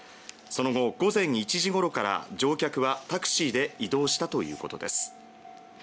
その後、午前１時ごろから乗客はタクシーで移動したということです。